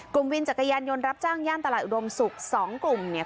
วินจักรยานยนต์รับจ้างย่านตลาดอุดมศุกร์สองกลุ่มเนี่ย